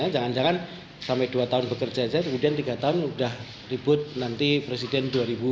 jangan jangan sampai dua tahun bekerja saja kemudian tiga tahun sudah ribut nanti presiden dua ribu dua puluh